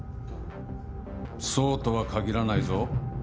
そうとは限らないぞ。